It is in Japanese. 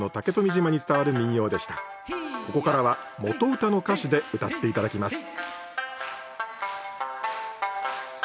ここからは元唄の歌詞でうたって頂きます